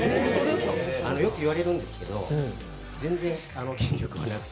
よくいわれるんですけど、全然筋力はなくて。